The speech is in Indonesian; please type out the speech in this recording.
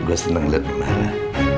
gue seneng liat lu marah